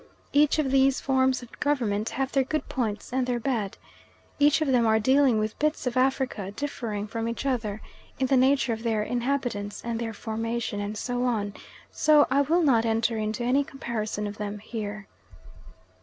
Each of these forms of government have their good points and their bad. Each of them are dealing with bits of Africa differing from each other in the nature of their inhabitants and their formation, and so on so I will not enter into any comparison of them here.